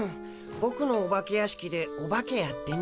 ボクのお化け屋敷でオバケやってみない？